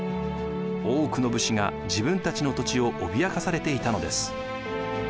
多くの武士が自分たちの土地を脅かされていたのです。